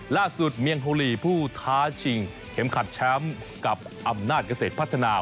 เมียงโฮลีผู้ท้าชิงเข็มขัดแชมป์กับอำนาจเกษตรพัฒนา